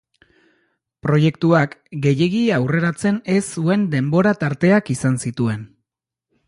Proiektuak, gehiegi aurreratzen ez zuen denbora tarteak izan zituen.